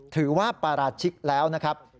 ถือว่าปราชิกแล้วนะครับ